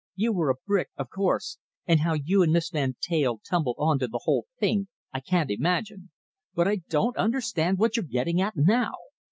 "You were a brick, of course, and how you and Miss Van Teyl tumbled on to the whole thing I can't imagine. But I don't understand what you're getting at now.